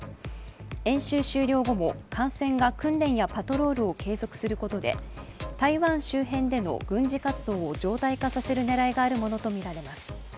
演習終了後も艦船が訓練やパトロールを継続することで、台湾周辺での軍事活動を常態化させる狙いがあるものとみられます。